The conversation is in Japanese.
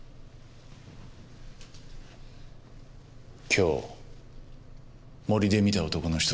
今日森で見た男の人。